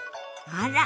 あら。